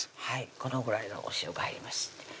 このぐらいのお塩が入ります